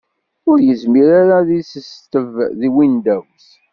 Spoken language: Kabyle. Ur yezmir ara ad isesteb deg Windows.